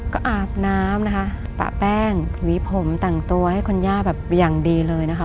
ก็อาบน้ำนะคะปะแป้งหวีผมแต่งตัวให้คุณย่าแบบอย่างดีเลยนะคะ